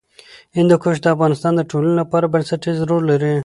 هندوکش د افغانستان د ټولنې لپاره بنسټيز رول لري.